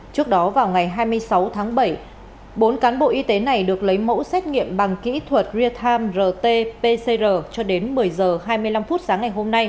trước đó vào ngày hai mươi sáu tháng bảy bốn cán bộ y tế này được lấy mẫu xét nghiệm bằng kỹ thuật real time rt pcr cho đến một mươi h hai mươi năm phút sáng ngày hôm nay